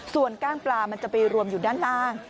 ส่วนกล้างปลามันจะไปรวมอยู่ด้านล่าง